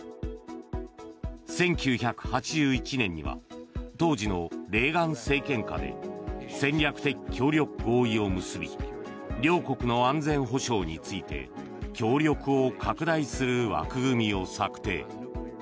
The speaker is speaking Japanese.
１９８１年には当時のレーガン政権下で戦略的協力合意を結び両国の安全保障について協力を拡大する枠組みを策定。